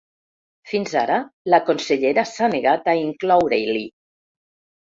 Fins ara la consellera s’ha negat a incloure-l’hi.